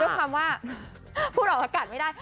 ความว่าพูดออกอากาศไม่ได้